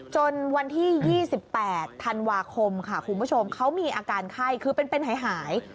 จนวันที่๒๘ธันวาคมค่ะคุณผู้ชมเขามีอาการไข้คือเป็นหาย